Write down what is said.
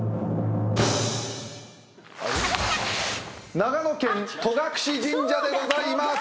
長野県戸隠神社でございます。